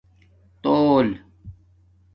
تول